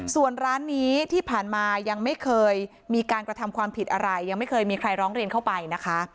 ส่วนร้านนี้ที่ผ่านมายังไม่เคยมีการกระทำความผิดอะไรยังไม่เคยมีใครร้องเรียนเข้าไปนะคะ